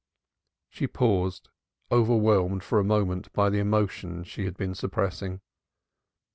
She paused, overwhelmed for a moment by the emotion she had been suppressing.